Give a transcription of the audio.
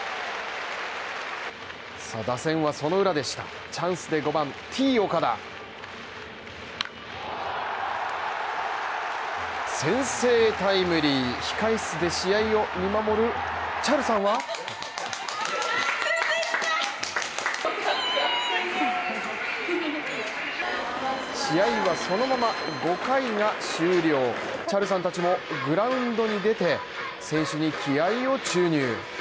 打線はその裏でチャンスで５番Ｔ−岡田先制タイムリー、控え室で試合を見守るＣＨＡＬさんは試合はそのまま５回が終了しＣＨＡＬさんたちもグラウンドに出て選手に気合を注入。